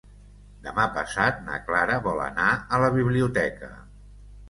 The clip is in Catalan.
Demà passat na Clara vol anar a la biblioteca.